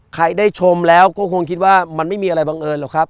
ได้ชมแล้วก็คงคิดว่ามันไม่มีอะไรบังเอิญหรอกครับ